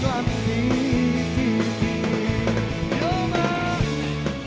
cumbunya pun indah